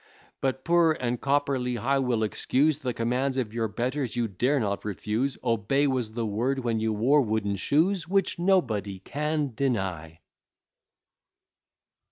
But P r and copper L h we'll excuse, The commands of your betters you dare not refuse, Obey was the word when you wore wooden shoes. Which nobody can deny.